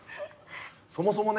そもそもね